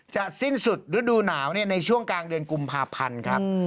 สิ้นสุดฤดูหนาวในช่วงกลางเดือนกุมภาพันธ์ครับ